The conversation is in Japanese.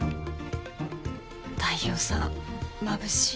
太陽さんまぶしい。